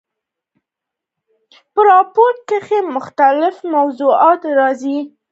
په راپورتاژ کښي مختلیف موضوعات راځي.